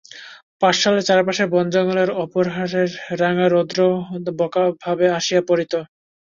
পাঠশালার চারিপাশের বনজঙ্গলে অপরাহ্রের রাঙা রৌদ্র বঁকা ভাবে আসিয়া পড়িত।